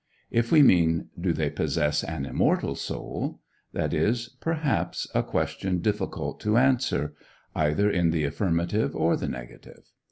If we mean, "Do they possess an immortal soul?" that is, perhaps, a question difficult to answer either in the affirmative or the negative.